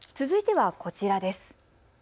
続いてはこちらです。